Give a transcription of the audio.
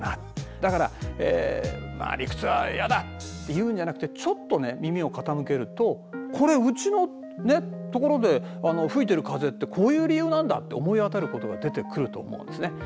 だからまあ理屈は嫌だって言うんじゃなくてちょっと耳を傾けるとこれうちのところでふいてる風ってこういう理由なんだって思い当たることが出てくると思うんですね。